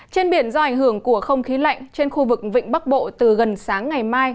trên biển do ảnh hưởng của không khí lạnh trên khu vực vịnh bắc bộ từ gần sáng ngày mai